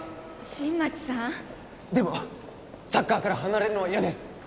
新町さんでもサッカーから離れるのは嫌です